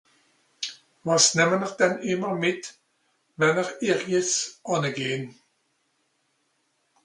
wàs nehmen'r dann ìmmer mìt wenn'r ...irjends ànne gehn